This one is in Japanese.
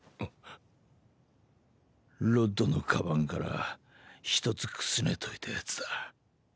ロッドの鞄から一つくすねといたヤツだ。